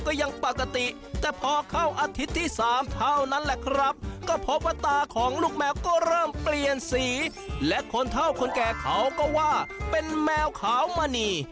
ก็พบว่าตาของลูกแมวก็เริ่มเปลี่ยนสีและคนเท่าคนแก่เขาก็ว่าเป็นแมวขาวมณี